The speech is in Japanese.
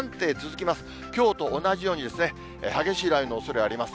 きょうと同じように激しい雷雨のおそれがあります。